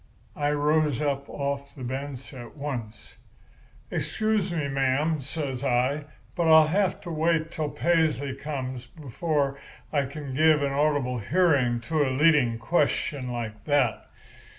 "I rose up off the bench at once. "'Excuse me, ma'am,' says I, 'but I'll have to wait till Paisley comes before I can give a audible hearing to leading questions like that.